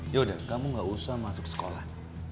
yaudah kamu gak usah masuk sekolah